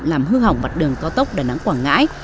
làm hư hỏng mặt đường cao tốc đà nẵng quảng ngãi